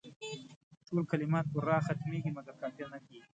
ټول کلمات پر راء ختمیږي مګر قافیه نه کیږي.